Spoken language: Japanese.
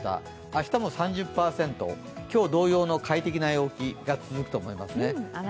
明日も３０％、今日同様の快適な陽気が続くと思います。